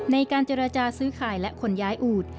ในการเจรจาซื้อขายและขนย้ายอูด